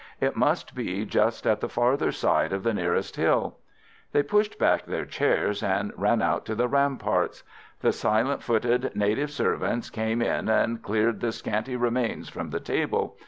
It must be just at the farther side of the nearest hill. They pushed back their chairs and ran out to the ramparts. The silent footed native servants came in and cleared the scanty remains from the table.